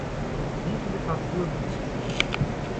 Wie viele Paar Schuhe besitzt du?